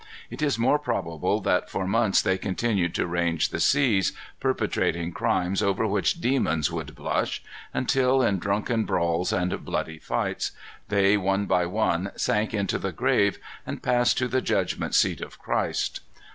It is more probable that for months they continued to range the seas, perpetrating crimes over which demons should blush, until, in drunken brawls and bloody fights, they one by one sank into the grave, and passed to the judgment seat of Christ.